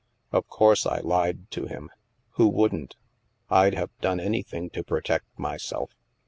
Of course I lied to him. Who wouldn't? I'd have done anything to protect my self.